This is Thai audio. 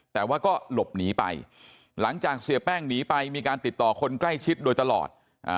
แต่ว่าก็หลบหนีไปหลังจากเสียแป้งหนีไปมีการติดต่อคนใกล้ชิดโดยตลอด